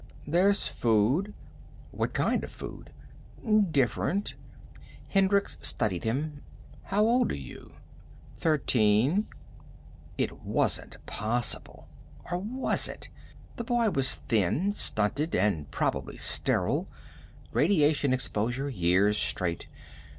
"There's food." "What kind of food?" "Different." Hendricks studied him. "How old are you?" "Thirteen." It wasn't possible. Or was it? The boy was thin, stunted. And probably sterile. Radiation exposure, years straight.